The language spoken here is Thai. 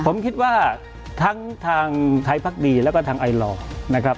ผมคิดว่าทั้งทางไทยภักดีและก็ทางไอลอร์